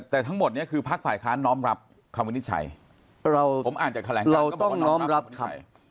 แต่ทั้งหมดนี้คือภาคฝ่าคารน้องรับคำวินิจฉัย